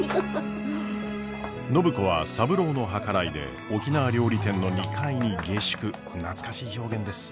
暢子は三郎の計らいで沖縄料理店の２階に下宿懐かしい表現です。